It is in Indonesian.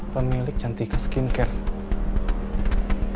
pemilik cantika skincare